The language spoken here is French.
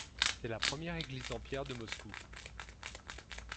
C'est la première église en pierre de Moscou.